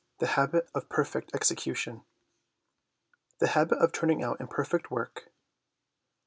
THE HABIT OF PERFECT EXECUTION The Habit of turning out Imperfect Work.